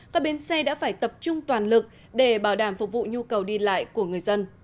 các bến xe đã phải tập trung toàn lực để bảo đảm phục vụ nhu cầu đi lại của người dân